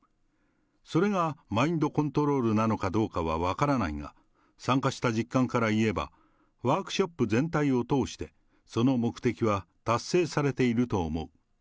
それがマインドコントロールなのかどうかは分からないが、参加した実感からいえば、ワークショップ全体を通して、その目的は達成されていると思う。